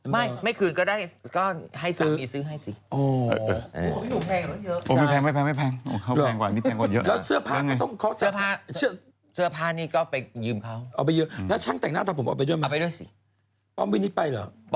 ไม่ไม่คืนก็ได้ก็ให้ซ้ำอีซื้อให้สิเออบ